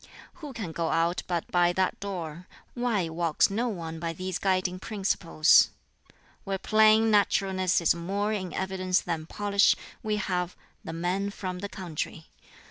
"Who can go out but by that door? Why walks no one by these guiding principles? "Where plain naturalness is more in evidence than polish, we have the man from the country.